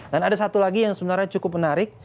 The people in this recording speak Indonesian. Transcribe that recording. dan ada satu lagi yang sebenarnya cukup menarik